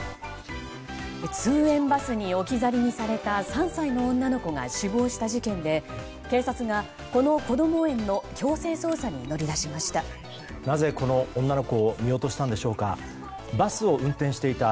通園バスに置き去りにされた３歳の女の子が死亡した事件で警察が、このこども園の強制捜査に乗り出しました。